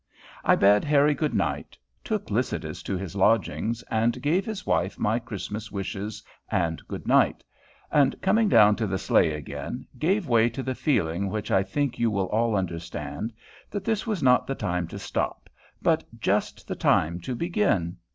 I bade Harry good night; took Lycidas to his lodgings, and gave his wife my Christmas wishes and good night; and, coming down to the sleigh again, gave way to the feeling which I think you will all understand, that this was not the time to stop, but just the time to begin.